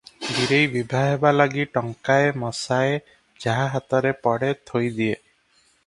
ବୀରେଇ ବିଭା ହେବା ଲାଗି ଟଙ୍କାଏ ମସାଏ ଯାହା ହାତରେ ପଡ଼େ ଥୋଇ ଦିଏ ।